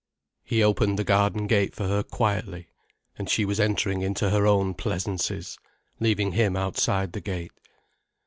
He opened the garden gate for her quietly, and she was entering into her own pleasances, leaving him outside the gate.